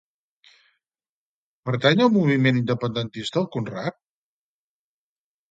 Pertany al moviment independentista el Conrrat?